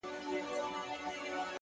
چي څرنگه تصوير به مصور ته په لاس ورسي”